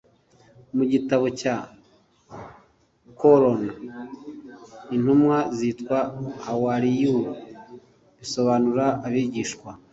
Mu gitabo cya Coran intumwa zitwa Hawâriyyoûn (bisobanura abigishwa)